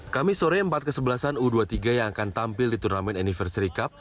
kami sore empat kesebelasan u dua puluh tiga yang akan tampil di turnamen anniversary cup